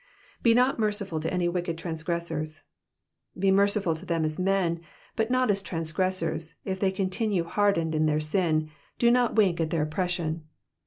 ''^Be not merciful to any wicked transgressors,^^ Be merciful to them as men, but not as transgressors ; if they continue hardened in their sin, do not wink at their oppression.